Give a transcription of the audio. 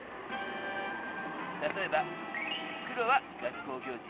例えば黒は「学校行事」。